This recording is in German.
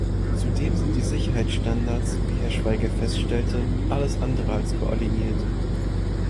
Zudem sind die Sicherheitsstandards, wie Herr Schwaiger feststellte, alles andere als koordiniert.